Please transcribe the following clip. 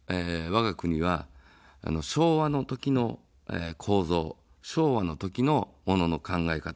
わが国は、昭和の時の構造、昭和の時のものの考え方。